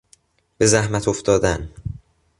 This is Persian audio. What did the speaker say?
به زحمت افتادن